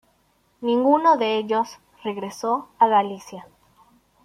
Ninguno de ellos regresó a Galicia.